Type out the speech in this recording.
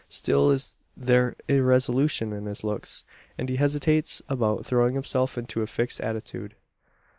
Still is there irresolution in his looks; and he hesitates about throwing himself into a fixed attitude.